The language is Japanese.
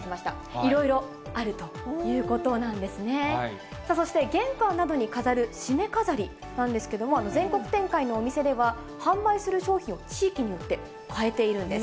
いろいろあるということなんですね、そして玄関などに飾るしめ飾りなんですけども、全国展開のお店では、販売する商品を地域によって変えているんです。